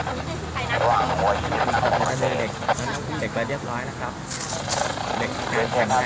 ไม่อยากจะจับโครงการเราได้แคมป์สัดเศรษฐฤทธิ์ให้เรียบร้อยครับ